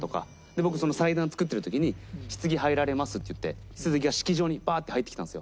僕祭壇を作ってる時に「ひつぎ入られます」って言ってひつぎが式場にバーッて入ってきたんですよ。